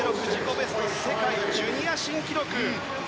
ベスト世界ジュニア新記録。